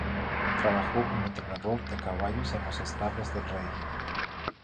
Trabajó como entrenador de caballos en los establos del rey.